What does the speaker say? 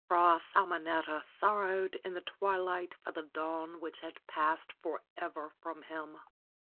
Fra Simonetta sorrowed in the twilight for the dawn which had passed forever from him.